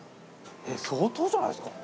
相当じゃないですか？